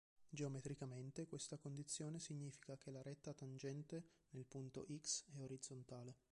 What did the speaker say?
Geometricamente questa condizione significa che la retta tangente nel punto "x" è orizzontale.